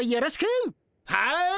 はい。